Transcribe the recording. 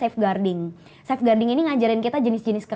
terus sekarang saya mau langsung ke